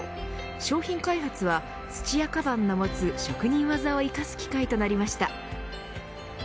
商品開発は土屋鞄が持つ職人技を生かす機会となりました。